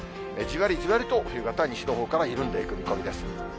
じわりじわりと冬型、西のほうから緩んでくる見込みです。